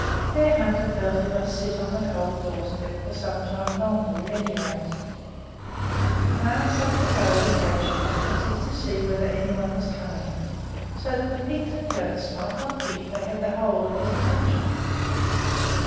Bearhunter felt that he must sit on the cold doorstep for some time longer, at any rate. He glanced up the road occasionally as if to see whether any one was coming, so that the pigs and goats might not think they had the whole of his attention.